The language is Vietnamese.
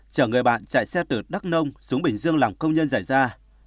chở người bạn chạy xe từ đắk nông xuống bình dương làm công nhân giải ra